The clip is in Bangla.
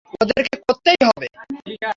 ওদেরকে করতেই হবে।